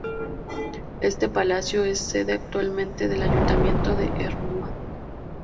Este palacio es sede actualmente del Ayuntamiento de Ermua.